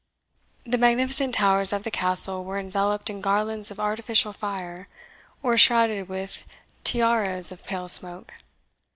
The magnificent towers of the Castle were enveloped in garlands of artificial fire, or shrouded with tiaras of pale smoke.